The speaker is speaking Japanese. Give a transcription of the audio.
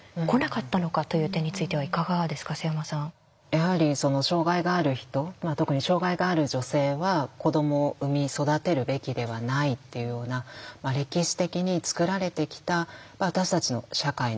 やはり障害がある人特に障害がある女性は子どもを産み育てるべきではないっていうような歴史的につくられてきた私たちの社会の価値観というか。